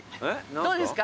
どうですか？